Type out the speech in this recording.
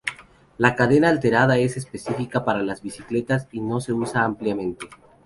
La cadena alternada es específica para bicicletas y no se usa ampliamente.